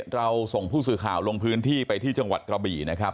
เราส่งผู้สื่อข่าวลงพื้นที่ไปที่จังหวัดกระบี่นะครับ